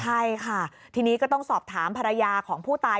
ใช่ค่ะทีนี้ก็ต้องสอบถามภรรยาของผู้ตาย